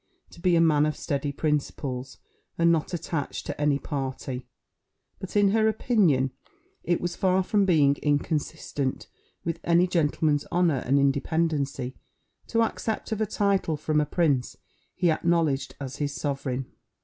to be a man of steady principles, and not attached to any party; but, in her opinion, it was far from being inconsistent with any gentleman's honour and independency, to accept of a title from a prince he acknowledged as his sovereign.